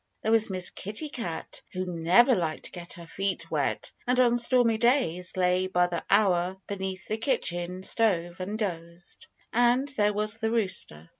There was Miss Kitty Cat, who never liked to get her feet wet and on stormy days lay by the hour beneath the kitchen stove and dozed. And there was the rooster.